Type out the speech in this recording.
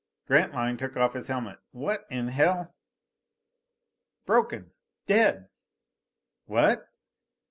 Grantline took off his helmet. "What in hell " "Broken! Dead!" "What!"